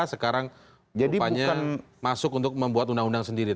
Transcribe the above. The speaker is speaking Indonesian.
sekarang rupanya masuk untuk membuat undang undang sendiri